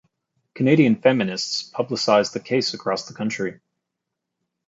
Canadian feminists publicized the case across the country.